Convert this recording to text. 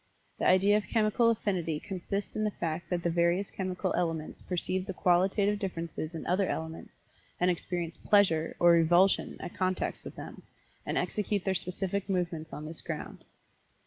The idea of Chemical Affinity consists in the fact that the various chemical elements perceive the qualitative differences in other elements and experience 'pleasure' or 'revulsion' at contacts with them, and execute their specific movements on this ground."